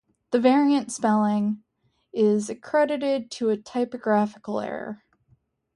The variant spelling is accredited to a typographical error.